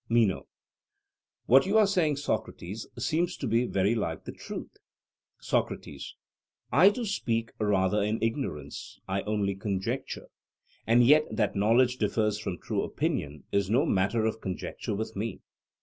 MENO: What you are saying, Socrates, seems to be very like the truth. SOCRATES: I too speak rather in ignorance; I only conjecture. And yet that knowledge differs from true opinion is no matter of conjecture with me.